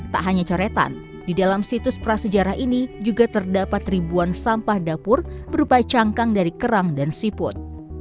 tak hanya coretan di dalam situs prasejarah ini juga terdapat ribuan sampah dapur berupa cangkang dari kerang dan siput